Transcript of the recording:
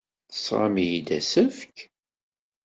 Tesɣam-iyi-d asefk?!